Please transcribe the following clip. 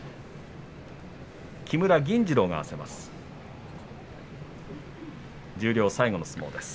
木村銀治郎が合わせます。